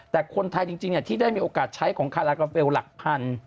แต่คนไทยจริงที่ได้มีโอกาสใช้ของคารากาเฟลหลักพัน